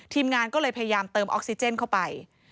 ทีมงานก็เลยพยายามเติมออกซิเจนเข้าไป